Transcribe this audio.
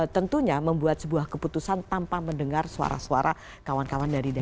tentunya membuat sebuah keputusan tanpa mendengar suara suara kawan kawan dari dpr